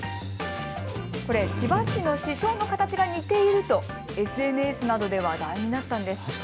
千葉市の市章の形が似ているとＳＮＳなどで話題になったんです。